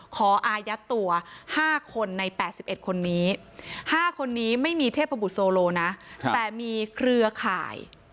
อายัดตัว๕คนใน๘๑คนนี้๕คนนี้ไม่มีเทพบุตรโซโลนะแต่มีเครือข่าย